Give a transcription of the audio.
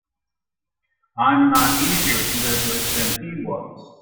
I'm not easier to live with than he was.